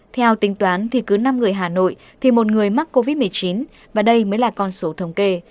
theo tính toán thì cứ năm người hà nội thì một người mắc covid một mươi chín và đây mới là con số thống kê